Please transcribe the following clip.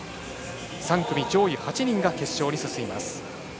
３組上位８人が決勝に進みます。